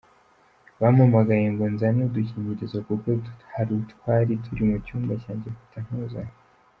Bampamagaye ngo nzane udukingirizo kuko hari utwari turi mu cyumba cyanjye mpita ntuzana.